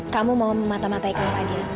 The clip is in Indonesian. kamu mau mematah matahi kamu fadil